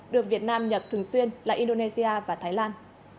được việt nam nhập thường xuyên là indonesia và thái lan